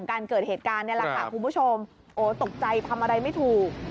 การเกิดเหตุการณ์นี่แหละค่ะคุณผู้ชมโอ้ตกใจทำอะไรไม่ถูก